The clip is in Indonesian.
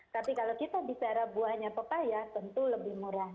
tapi kalau kita bicara buahnya pepaya tentu lebih murah